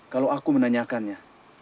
kalau aku menanyakannya